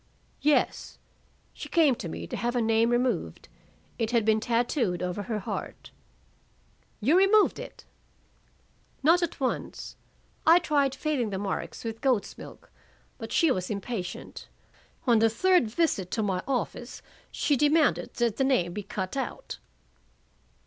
"Yes. She came to me to have a name removed. It had been tattooed over her heart." "You removed it?" "Not at once. I tried fading the marks with goat's milk, but she was impatient. On the third visit to my office she demanded that the name be cut out."